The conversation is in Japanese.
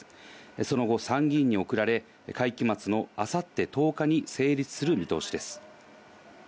その後、参議院に送られ、会期末の明後日１０日に成立する見通しです。